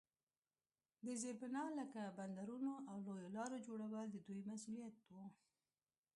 د زیربنا لکه بندرونو او لویو لارو جوړول د دوی مسوولیت وو.